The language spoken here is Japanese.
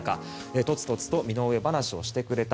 とつとつと身の上話をしてくれた。